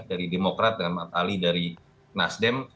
dari demokrat dengan ahmad ali dari nasdem